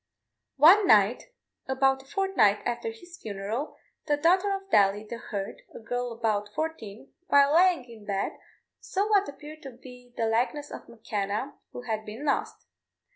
One night, about a fortnight after his funeral, the daughter of Daly, the herd, a girl about fourteen, while lying in bed saw what appeared to be the likeness of M'Kenna, who had been lost.